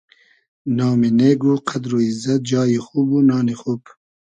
نامی نېگ و قئدر و ایززئد جای خوب و نانی خوب